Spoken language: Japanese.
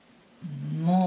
もう。